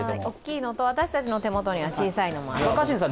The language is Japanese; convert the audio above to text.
大きいのと、私たちの手元には小さいのもあります。